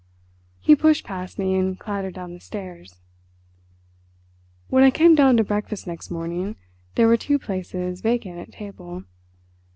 He pushed past me and clattered down the stairs. When I came down to breakfast next morning there were two places vacant at table.